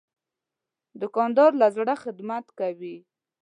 دوکاندار له زړه خدمت کوي.